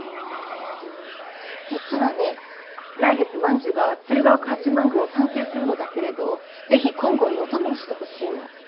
実はね来月万寿が鶴岡八幡宮を参詣するのだけれど是非金剛にお供をしてほしいの。